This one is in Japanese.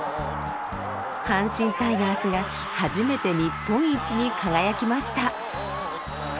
阪神タイガースが初めて日本一に輝きました。